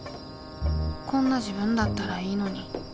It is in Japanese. こんな自分だったらいいのに。